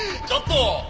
ちょっと！